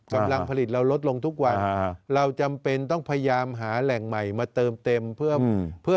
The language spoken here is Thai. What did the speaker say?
กำลังผลิตเราลดลงทุกวันเราจำเป็นต้องพยายามหาแหล่งใหม่มาเติมเต็มเพื่อ